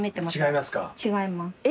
違いますか？